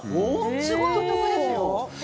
すごいお得ですよ。